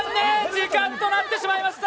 時間となってしまいました！